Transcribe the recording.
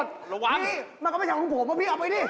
ระวังเค๋มันก็ไม่ใช่ของผมเอาไปนี่